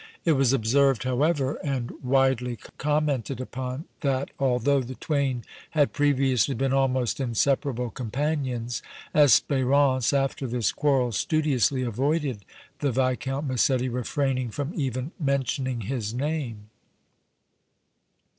It was observed, however, and widely commented upon that, although the twain had previously been almost inseparable companions, Espérance after this quarrel studiously avoided the Viscount Massetti, refraining from even mentioning his name.